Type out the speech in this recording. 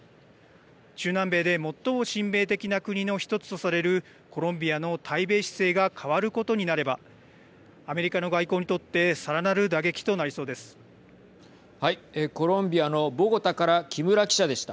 中南米で最も親米的な国の１つとされるコロンビアの対米姿勢が変わることになればアメリカの外交にとってさらなる打撃となりそうです。